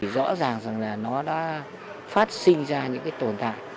rõ ràng là nó đã phát sinh ra những tồn tại